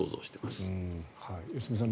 良純さん